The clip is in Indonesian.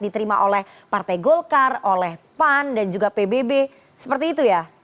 diterima oleh partai golkar oleh pan dan juga pbb seperti itu ya